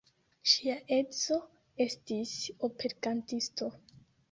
Ŝia edzo estis operkantisto.